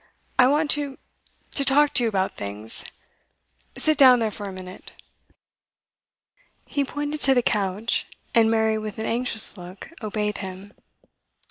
I want to to talk to you about things. Sit down there for a minute.' He pointed to the couch, and Mary, with an anxious look, obeyed him.